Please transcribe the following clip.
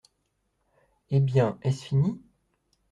Eh bien, est-ce fini ?